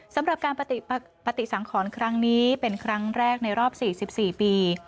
สำหรับการปฏิสังขรครั้งนี้เป็นครั้งแรกในรอบ๔๔ปี